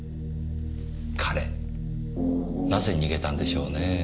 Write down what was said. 彼なぜ逃げたんでしょうねぇ。